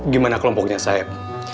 gimana kelompoknya saib